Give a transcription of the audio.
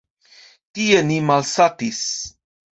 Tie ni malsatis.